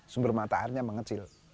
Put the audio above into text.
sumber mata airnya mengecil